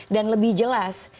dan lebih jelas